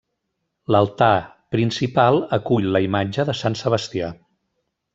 L'altar principal acull la imatge de Sant Sebastià.